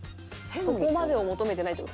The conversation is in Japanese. そこまでを求めてないって事？